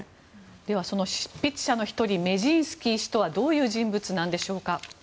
では、その執筆者の１人メジンスキー氏とはどういう人物なんでしょうか。